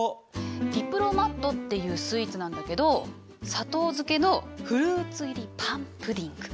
ディプロマットっていうスイーツなんだけど砂糖漬けのフルーツ入りパンプディング。